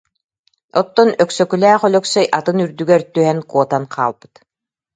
Оттон Өксөкүлээх Өлөксөй атын үрдүгэр түһэн куотан хаалбыт